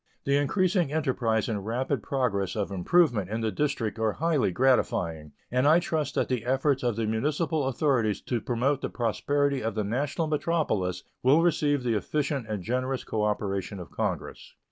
The increasing enterprise and rapid progress of improvement in the District are highly gratifying, and I trust that the efforts of the municipal authorities to promote the prosperity of the national metropolis will receive the efficient and generous cooperation of Congress.